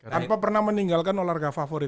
tanpa pernah meninggalkan olahraga favorit